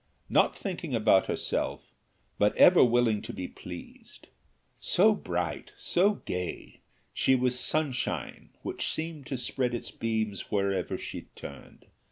Not thinking about herself, but ever willing to be pleased; so bright, so gay, she was sunshine which seemed to spread its beams wherever she turned.